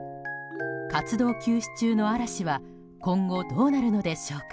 活動休止中の嵐は今後、どうなるのでしょうか。